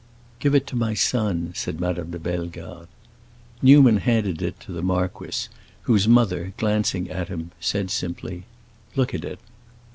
"Give it to my son," said Madame de Bellegarde. Newman handed it to the marquis, whose mother, glancing at him, said simply, "Look at it."